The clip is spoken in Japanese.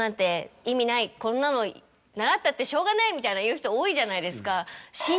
「こんなの習ったってしょうがない」みたいなの言う人多いじゃないですか。